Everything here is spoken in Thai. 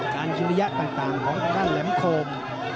การคิดวิญญาติต่างของทางด้านแหลมโคม